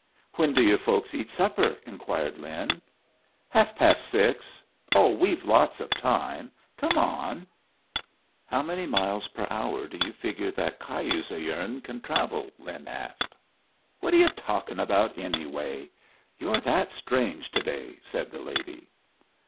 "When do your folks eat supper?" inquired Lin. "Half past six. Oh, we've lots of time! Come on." "How many miles per hour do you figure that cayuse of yourn can travel?" Lin asked. "What are you a talking about, anyway? You're that strange to day," said the lady.